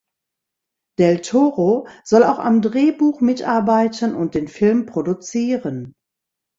Del Toro soll auch am Drehbuch mitarbeiten und den Film produzieren.